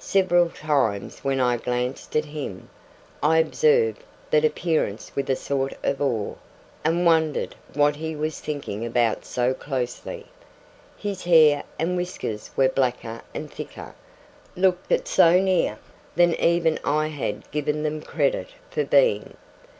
Several times when I glanced at him, I observed that appearance with a sort of awe, and wondered what he was thinking about so closely. His hair and whiskers were blacker and thicker, looked at so near, than even I had given them credit for being.